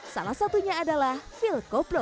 salah satunya adalah phil copplow